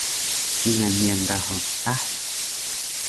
Kingal miyan rahul qtahi